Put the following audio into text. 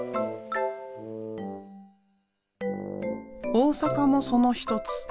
大阪もその一つ。